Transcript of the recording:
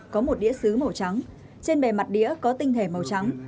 có một đĩa xứ màu trắng trên bề mặt đĩa có tinh thể màu trắng